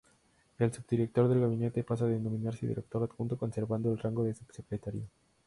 El Subdirector del Gabinete pasa a denominarse Director Adjunto, conservando el rango de Subsecretario.